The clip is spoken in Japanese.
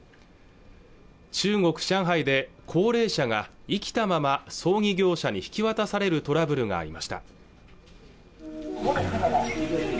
中国上海で高齢者が生きたまま葬儀業者に引き渡されるトラブルがありました